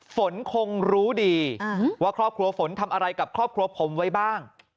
ฝนคงรู้ดีว่าครอบครัวฝนทำอะไรกับครอบครัวผมไว้บ้าง